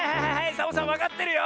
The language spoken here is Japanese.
サボさんわかってるよ！